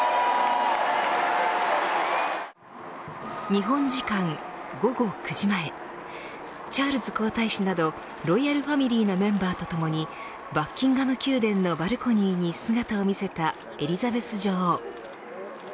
日本時間午後９時前チャールズ皇太子などロイヤルファミリーのメンバーとともにバッキンガム宮殿のバルコニーに姿を見せたエリザベス女王。